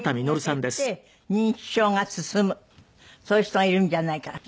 そういう人がいるんじゃないか。